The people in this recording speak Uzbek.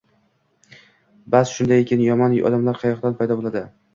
Bas shunday ekan, yomon odamlar qayoqdan paydo bo’ladi?